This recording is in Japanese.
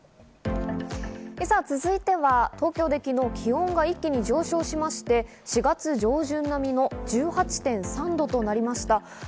続いては東京で昨日気温が一気に上昇しまして、４月上旬並みの１８．３度となりました。